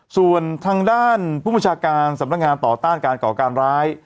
ส่วนทางด้านผู้บัญชาการสำนักงานต่อต้านการก่อการร้าย